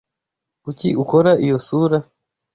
Kuki ukora iyo sura?